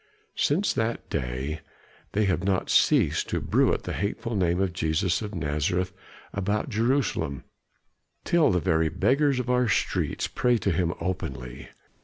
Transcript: Since that day they have not ceased to bruit the hateful name of Jesus of Nazareth about Jerusalem, till the very beggars of our streets pray to him openly.